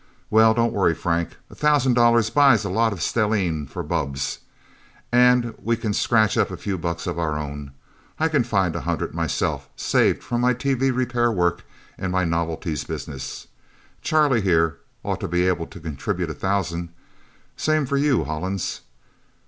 "Well, don't worry, Frank. A thousand dollars buys a lot of stellene for bubbs. And we can scratch up a few bucks of our own. I can find a hundred, myself, saved from my TV repair work, and my novelties business. Charlie, here, ought to be able to contribute a thousand. Same for you, Hollins.